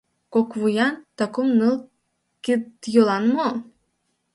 Кок вуян да кум-ныл кид-йолан мо?